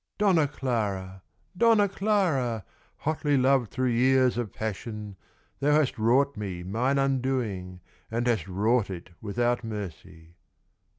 "Donna Clara! Donna Clara! Hotly loved through years of passion! Thou hast wrought me mine undoing, And hast wrought it without mercy!